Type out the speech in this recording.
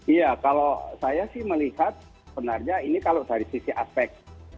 iya kalau saya sih melihat sebenarnya ini kalau dari sisi aspek